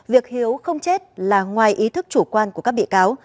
việc hiếu không chết là ngoài ý thức chủ quan của các bị cáo